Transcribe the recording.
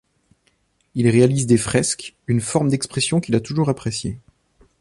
Il réalise des fresques, une forme d'expression qu'il a toujours appréciée.